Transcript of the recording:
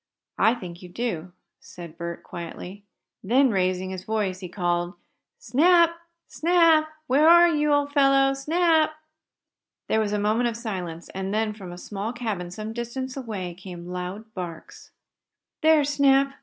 "I think you do," said Bert, quietly. Then raising his voice, he called: "Snap! Snap! Where are you, old fellow? Snap!" There was a moment of silence, and then, from a small cabin some distance away, came loud barks. "There's Snap!